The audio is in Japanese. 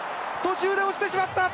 途中で落ちてしまった！